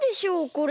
これ。